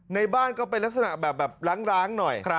ในบ้านก็เป็นลักษณะแบบล้างหน่อย